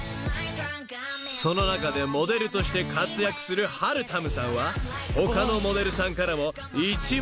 ［その中でモデルとして活躍するはるたむさんは他のモデルさんからも一目置かれる存在］